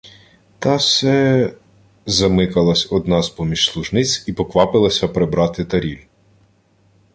— Та се... — замикалась одна з-поміж служниць і поквапилася прибрати таріль.